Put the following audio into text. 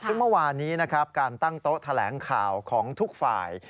ซึ่งเมื่อวานนี้นะครับการตั้งโต๊ะแถลงข่าวของทุกฝ่าย